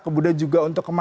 kemudian juga untuk kemas